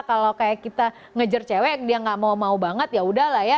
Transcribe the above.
kalau kayak kita ngejar cewek dia nggak mau mau banget yaudahlah ya